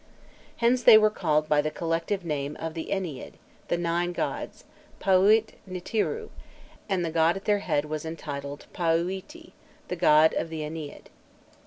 Hence they were called by the collective name of the Ennead, the Nine gods paûit nûtîrû,[*] and the god at their head was entitled Paûîti, the god of the Ennead.